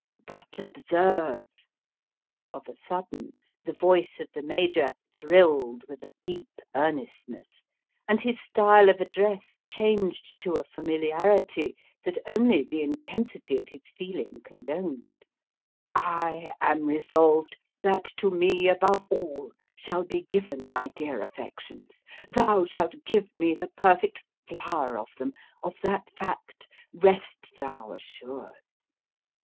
But observe" of a sudden the voice of the Major thrilled with a deep earnestness, and his style of address changed to a familiarity that only the intensity of his feeling condoned "I am resolved that to me, above all, shall be given thy dear affections. Thou shalt give me the perfect flower of them of that fact rest thou assured.